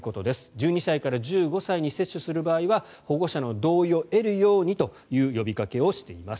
１２歳から１５歳に接種する場合は保護者の同意を得るようにという呼びかけをしています。